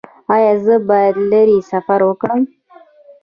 ایا زه باید لرې سفر وکړم؟